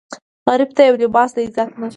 غریب ته یو لباس د عزت نښه ده